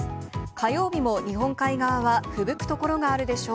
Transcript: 火曜日も日本海側は、ふぶく所があるでしょう。